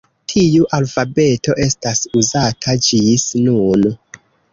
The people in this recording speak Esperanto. Tiu alfabeto estas uzata ĝis nun.